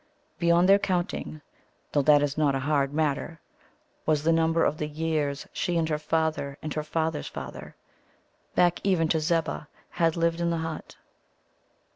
Beyond their counting (though that is not a hard matter) was the number of the years she and her father and her father's father, back even to Zebbah, had lived in the hut.